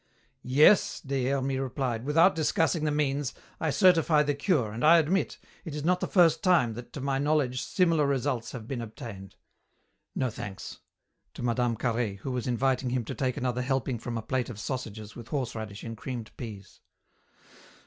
"Yes," Des Hermies replied, "without discussing the means, I certify the cure, and, I admit, it is not the first time that to my knowledge similar results have been obtained. No thanks," to Mme. Carhaix, who was inviting him to take another helping from a plate of sausages with horseradish in creamed peas.